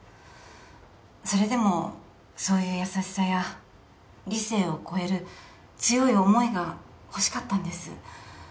それでもそういう優しさや理性を超える強い思いがほしかったんです